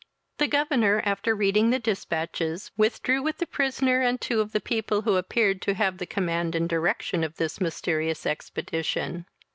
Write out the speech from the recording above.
The governor, after reading the dispatches, withdrew with the prisoner and two of the people, who appeared to have the command and direction of this mysterious expedition.